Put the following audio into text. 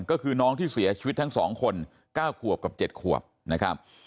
ก็คือน้องที่เสียชีวิตทั้ง๒คน๙ขวบกับ๗ขวบนะครับ